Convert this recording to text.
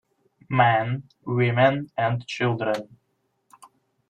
Men, women and children.